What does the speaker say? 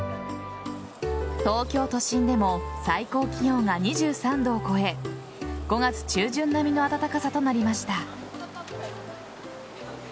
東京都心でも最高気温が２３度を超え５月中旬並みの暖かさとなりました。